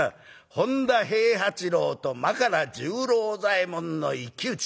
本多平八郎と真柄十郎左衛門の一騎打ち。